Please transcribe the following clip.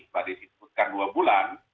tadi disebutkan dua bulan